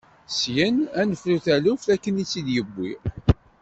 Syin, ad nefru taluft akken i d-tewwi.